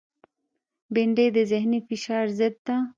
بېنډۍ د ذهنی فشار ضد ده